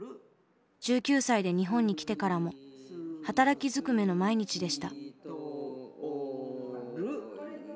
１９歳で日本に来てからも働きずくめの毎日でした。